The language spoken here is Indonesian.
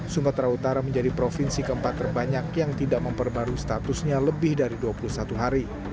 sumatera utara menjadi provinsi keempat terbanyak yang tidak memperbarui statusnya lebih dari dua puluh satu hari